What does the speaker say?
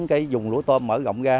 cái vùng lúa tôm mở rộng ra